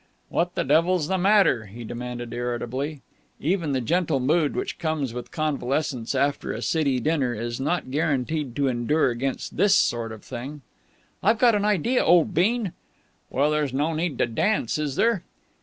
"What the devil's the matter?" he demanded irritably. Even the gentle mood which comes with convalescence after a City dinner is not guaranteed to endure against this sort of thing. "I've got an idea, old bean!" "Well, there's no need to dance, is there?"